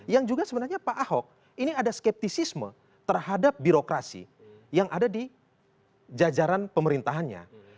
yang juga sebenarnya pak ahok ini ada skeptisisme terhadap birokrasi yang ada di jajaran pemerintahannya